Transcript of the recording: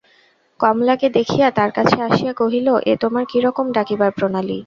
কমলাকে দেখিয়া তার কাছে আসিয়া কহিল, এ তোমার কিরকম ডাকিবার প্রণালী?